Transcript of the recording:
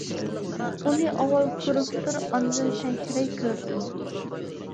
ئۇنى ئاۋۋال كوررېكتور، ئاندىن تەھرىر كۆرىدۇ.